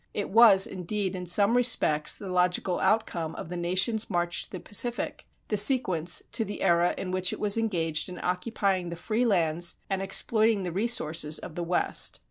It was, indeed, in some respects the logical outcome of the nation's march to the Pacific, the sequence to the era in which it was engaged in occupying the free lands and exploiting the resources of the West.